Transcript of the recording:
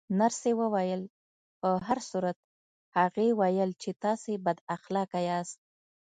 نرسې وویل: په هر صورت، هغې ویل چې تاسې بد اخلاقه یاست.